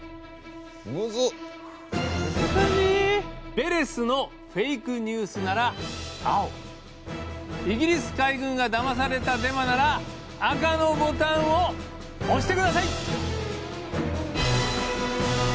ヴェレスのフェイクニュースなら青イギリス海軍がだまされたデマなら赤のボタンを押して下さい！